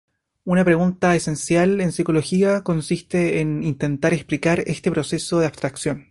Una pregunta esencial en psicología consiste en intentar explicar este proceso de abstracción.